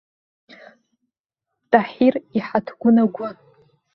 Таҳир иҳаҭгәын агәы.